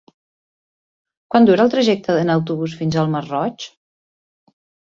Quant dura el trajecte en autobús fins al Masroig?